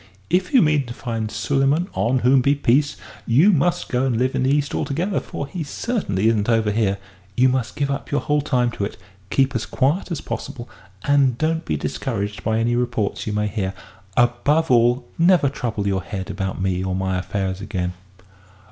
If you mean to find Suleyman (on whom be peace!) you must go and live in the East altogether for he certainly isn't over here; you must give up your whole time to it, keep as quiet as possible, and don't be discouraged by any reports you may hear. Above all, never trouble your head about me or my affairs again!"